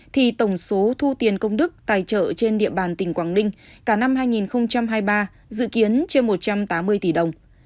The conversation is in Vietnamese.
thì tổng số thu tiền công đức tài trợ trên địa bàn tỉnh quảng ninh cả năm hai nghìn hai mươi ba dự kiến trên một trăm tám mươi tỷ đồng